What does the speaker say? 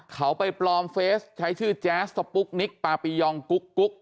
เขาไปปลอมเฟสใช้ชื่อแจ๊สสปุ๊กนิกปาปียองกุ๊ก